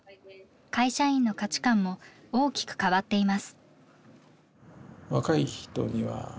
会社員の価値観も大きく変わっています。